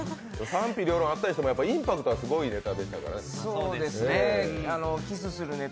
賛否両論あったでしょうけどインパクトはすごいネタでしたからね。